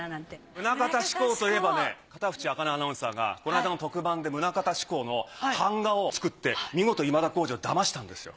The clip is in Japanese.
棟方志功といえばね片渕茜アナウンサーがこの間の特番で棟方志功の版画を作って見事今田耕司をだましたんですよ。